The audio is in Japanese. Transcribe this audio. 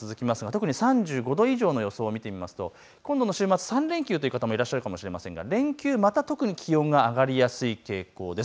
特に３５度以上の予想を見てみますと今度の週末、３連休という方、いらっしゃるかもしれませんが連休また特に気温が上がりやすい傾向です。